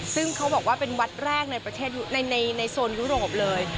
ซึ่งเขาบอกว่าเป็นวัดแรกในประเทศในโซนยุโรปเลย